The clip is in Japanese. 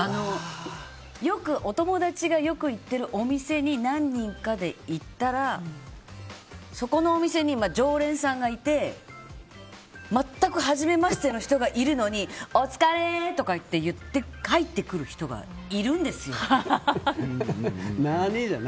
お友達がよく行っているお店に何人かで行ったらそこのお店に常連さんがいて全くはじめましての人がいるのにお疲れとか言って入ってくる人がいるんですよ。